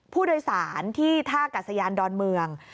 ผู้โดยสารที่ท่ากัศยานดอนเมือง